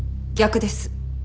逆です。